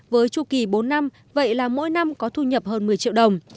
với chu kỳ bốn năm vậy là mỗi năm có thu nhập hơn một mươi triệu đồng